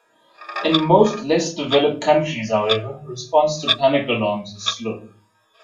In most less developed countries however, response to panic alarms are slow.